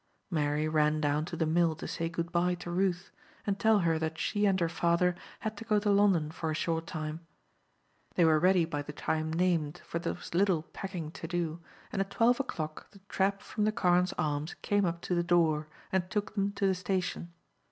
Mary ran down to the mill to say good bye to Ruth, and tell her that she and her father had to go to London for a short time. They were ready by the time named, for there was little packing to do, and at twelve o'clock the trap from the "Carne's Arms" came up to the door, and took them to the station.